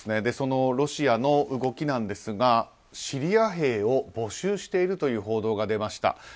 そのロシアの動きですがシリア兵を募集しているという報道が出ました。